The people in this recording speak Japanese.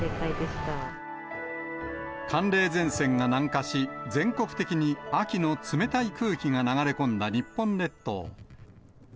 寒冷前線が南下し、全国的に秋の冷たい空気が流れ込んだ日本列島。